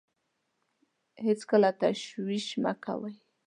هېڅکله تشویش مه کوه .